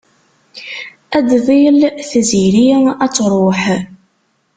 Ad d-tḍil tziri ad truḥ.